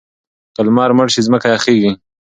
که لمر مړ شي ځمکه یخیږي.